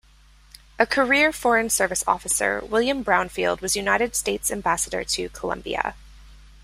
A career Foreign Service Officer, William Brownfield was United States Ambassador to Colombia.